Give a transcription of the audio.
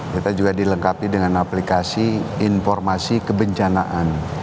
kita juga dilengkapi dengan aplikasi informasi kebencanaan